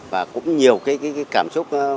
và cũng nhiều cảm xúc